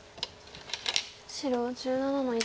白１７の一。